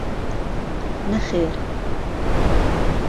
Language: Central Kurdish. نەخێر.